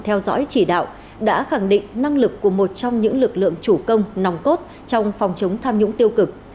theo dõi chỉ đạo đã khẳng định năng lực của một trong những lực lượng chủ công nòng cốt trong phòng chống tham nhũng tiêu cực